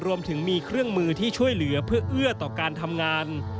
รวมถึงมีเครื่องมือที่ช่วยเหลือเพื่อเอื้อต่อการทำงาน